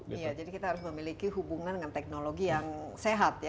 iya jadi kita harus memiliki hubungan dengan teknologi yang sehat ya